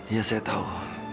ya saya tahu